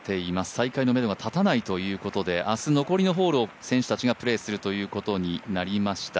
再開のめどが立たないということで明日、残りのホールを選手たちがプレーするということになりました。